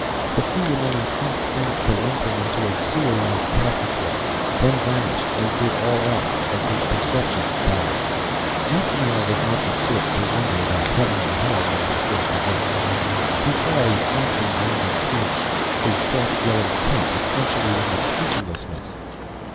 The few remaining feet seemed to lengthen into a sewerlike passageway, then vanished as did all else as his perceptions died. MacNamara was not the sort to wonder about heaven or hell when he first awoke. He saw a faintly rounded ceiling, a soft yellow tint accentuating its featurelessness.